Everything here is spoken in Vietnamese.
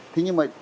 thế nhưng mà